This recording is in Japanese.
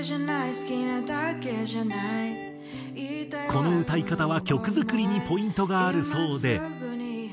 この歌い方は曲作りにポイントがあるそうで。